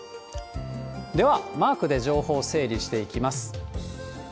ではマークで情報を整理していきます。